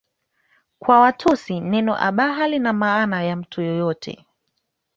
Kwa Watusi neno Abaha lina maana ya mtu yeyote